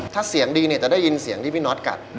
ถ้าเสียงดีเนี่ยจะได้ยินเสียงที่พี่น็อตกัด